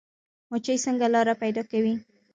مچۍ څنګه لاره پیدا کوي؟